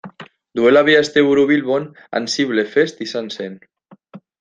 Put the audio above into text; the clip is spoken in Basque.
Duela bi asteburu Bilbon AnsibleFest izan zen.